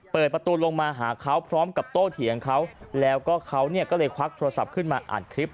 เปิดประตูลงมาหาเขาพร้อมกับโต้เถียงเขาแล้วก็เขาเนี่ยก็เลยควักโทรศัพท์ขึ้นมาอัดคลิป